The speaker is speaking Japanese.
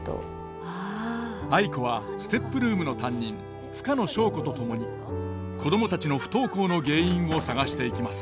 藍子はＳＴＥＰルームの担任深野祥子と共に子供たちの不登校の原因を探していきます。